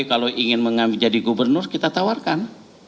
kalau ingin menjadi gubernur kita tawarkan